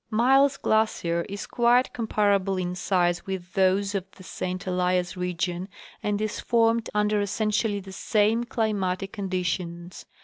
Miles glacier is quite comparable in size with those of the St Elias region and is formed under essentially the same climatic conditions.